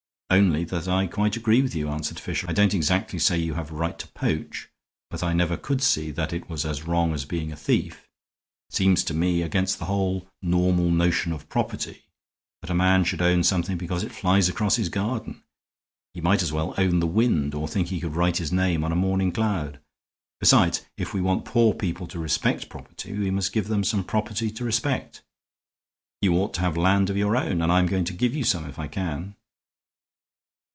"Only that I quite agree with you," answered Fisher. "I don't exactly say you have a right to poach, but I never could see that it was as wrong as being a thief. It seems to me against the whole normal notion of property that a man should own something because it flies across his garden. He might as well own the wind, or think he could write his name on a morning cloud. Besides, if we want poor people to respect property we must give them some property to respect. You ought to have land of your own; and I'm going to give you some if I can."